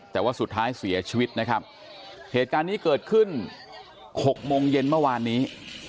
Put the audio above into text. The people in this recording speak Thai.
แต่ว่าสุดท้ายเสียชีวิตนะครับเหตุการณ์นี้เกิดขึ้น๖โมงเย็นเมื่อวานนี้